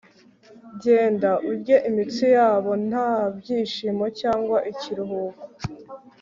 genda urye iminsi yabo nta byishimo cyangwa ikiruhuko